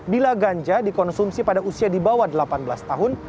bila ganja dikonsumsi pada usia di bawah delapan belas tahun